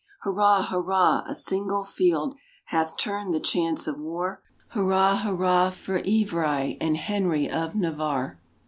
Hurrah! hurrah! a single field hath turned the chance of war. Hurrah! hurrah! for Ivry and Henry of Navarre.